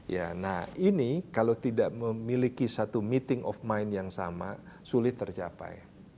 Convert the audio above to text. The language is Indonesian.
ya nah ini kalau tidak memiliki satu meeting of mind yang sama sulit tercapai